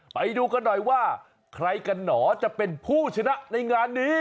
ไปดูกันหน่อยว่าใครกันหนอจะเป็นผู้ชนะในงานนี้